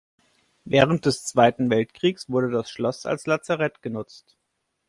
Während des Zweiten Weltkriegs wurde das Schloss als Lazarett genutzt.